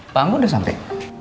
pak angga udah sampai